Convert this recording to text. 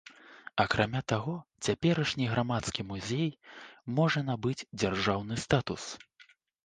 Акрамя таго, цяперашні грамадскі музей можа набыць дзяржаўны статус.